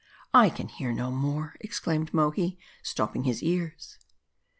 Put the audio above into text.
"I can hear no more," exclaimed Mohi, stopping his ears.